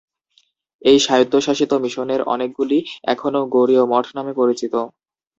এই স্বায়ত্তশাসিত মিশনের অনেকগুলি এখনও গৌড়ীয় মঠ নামে পরিচিত।